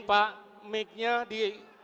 pak mic nya di